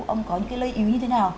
ông có những cái lợi ích như thế nào